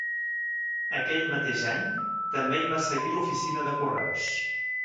Aquell mateix any, també hi va seguir l'oficina de correus.